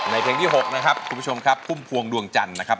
เพลงที่๖นะครับคุณผู้ชมครับพุ่มพวงดวงจันทร์นะครับ